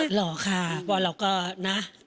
หล่อค่ะพอเราก็นะ